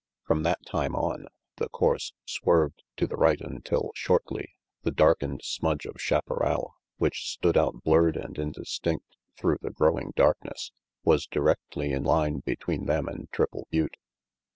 From that time on the course swerved to the right until shortly the darkened smudge of chaparral, which stood out blurred and indistinct through the growing darkness, was directly in line between them and Triple Butte.